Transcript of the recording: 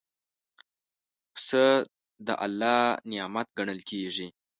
پسه د الله نعمت ګڼل کېږي.